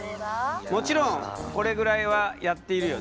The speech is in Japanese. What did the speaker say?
もちろんこれぐらいはやっているよね？